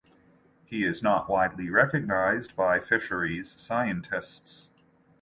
He is not widely recognized by fisheries scientists.